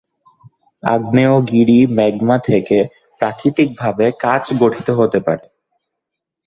আগ্নেয়গিরির ম্যাগমা থেকে প্রাকৃতিকভাবে কাচ গঠিত হতে পারে।